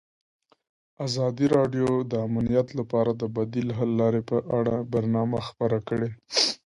ازادي راډیو د امنیت لپاره د بدیل حل لارې په اړه برنامه خپاره کړې.